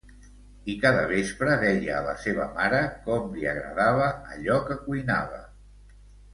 I cada vespre deia a la seva mare com li agradava allò que cuinava.